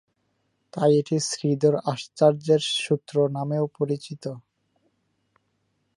তাই এটি শ্রীধর আচার্যের সূত্র নামেও পরিচিত।